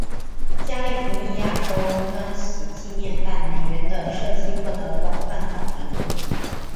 加利福尼亚州钻禧纪念半美元的设计获得广泛好评。